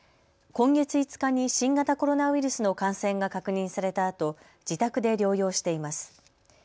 今月５日に新型コロナウイルスの感染が確認されたあと自宅で療養しています。